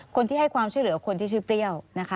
คนที่ให้ความเชื่อเหลือคนที่ชื่อเปรี้ยว